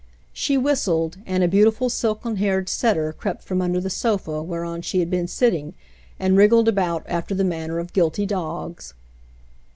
She whistled, and a beautiful, silken haired setter crept from under the sofa whereon she had been sitting, and wriggled about after the manner of guilty dogs.